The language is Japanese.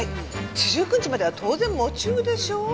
四十九日までは当然喪中でしょう？